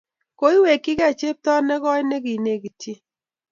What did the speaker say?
Koiwekchigey chepto negoi neginekityin.